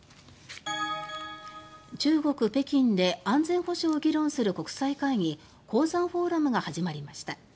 中国・北京で安全保障を議論する国際会議香山フォーラムが始まりました。